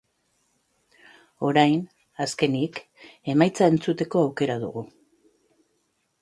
Orain, azkenik, emaitza entzuteko aukera dugu.